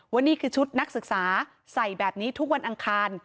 นี่คือชุดนักศึกษาใส่แบบนี้ทุกวันอังคาร